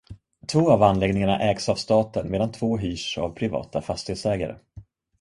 Två av anläggningarna ägs av staten medan två hyrs av privata fastighetsägare.